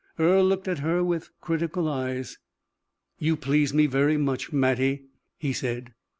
Earle looked at her with critical eyes. "You please me very much, Mattie," he said.